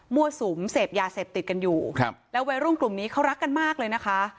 สุมเสพยาเสพติดกันอยู่ครับแล้ววัยรุ่นกลุ่มนี้เขารักกันมากเลยนะคะ